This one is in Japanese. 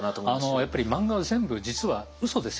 やっぱり漫画は全部実はうそですよね。